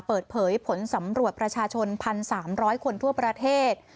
เปิดเผยผลสำรวจประชาชน๑๓๐๐คนทั่วประเทศ